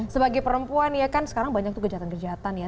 sebagai perempuan ya kan sekarang banyak tuh kejahatan kejahatan ya